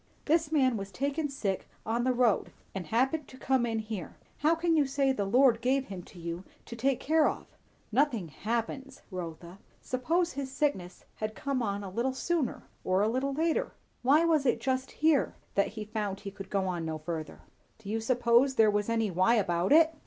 "This man was taken sick on the road, and happened to come in here. How can you say, the Lord gave him to you to take care of?" "Nothing 'happens,' Rotha. Suppose his sickness had come on a little sooner, or a little later? why was it just here that he found he could go no further?" "Do you suppose there was any 'why' about it?"